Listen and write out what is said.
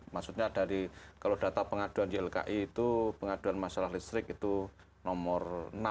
maksudnya dari kalau data pengaduan ylki itu pengaduan masalah listrik itu nomor enam